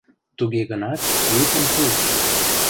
Туге гынат йӱкым пуыш: